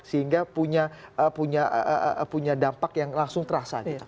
sehingga punya dampak yang langsung terasa gitu